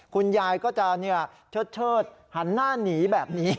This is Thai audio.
คุณยายก็จะเชิดหันหน้าหนีแบบนี้